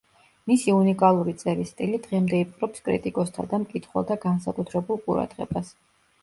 მისი უნიკალური წერის სტილი დღემდე იპყრობს კრიტიკოსთა და მკითხველთა განსაკუთრებულ ყურადღებას.